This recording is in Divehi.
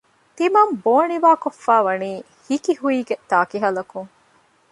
ތިމަން ބޯ ނިވާކޮށްފައިވަނީ ހިކިހުއިގެ ތާކިހަލަކުން